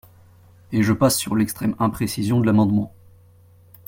Et je passe sur l’extrême imprécision de l’amendement.